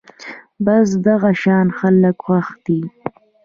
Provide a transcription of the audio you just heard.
بس دغه شان خلک خوښ دي